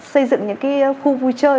xây dựng những cái khu vui chơi